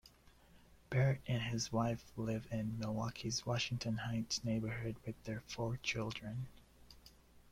Barrett and his wife live in Milwaukee's Washington Heights neighborhood with their four children.